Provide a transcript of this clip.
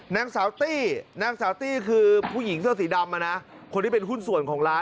นางสาวตี้นางสาวตี้คือผู้หญิงเสื้อสีดำคนที่เป็นหุ้นส่วนของร้าน